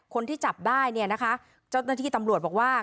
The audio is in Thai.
คนที่จับได้เจ้าหน้าที่ตำรวจบอกว่า